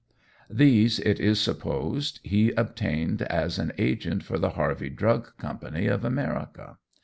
These, it is supposed, he obtained as an agent for the Harvey Drug Co. of America.